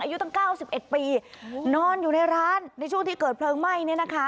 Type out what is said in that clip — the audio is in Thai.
อายุตั้งเก้าสิบเอ็ดปีนอนอยู่ในร้านในช่วงที่เกิดเพลิงไหม้เนี่ยนะคะ